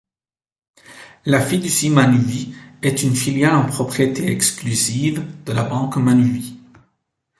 La Fiducie Manuvie est une filiale en propriété exclusive de la Banque Manuvie.